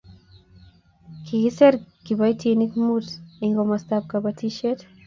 kikiser kiboitinik mut eng' komostab kabotisiet